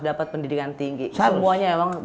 dapat pendidikan tinggi semuanya emang